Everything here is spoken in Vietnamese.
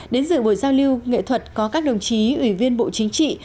đến dự buổi giao lưu nghệ thuật có các đồng chí ủy viên bộ chính trị